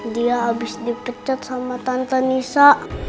dia habis dipecat sama tante nisa